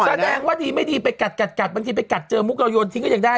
แสดงว่าดีไม่ดีไปกัดกัดบางทีไปกัดเจอมุกเราโยนทิ้งก็ยังได้